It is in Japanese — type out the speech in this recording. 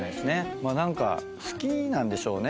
まぁ何か好きなんでしょうね